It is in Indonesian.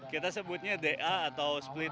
kita sebutnya da atau